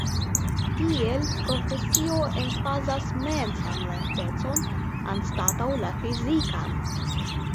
Tiel, profesio emfazas mensan lertecon anstataŭ la fizikan.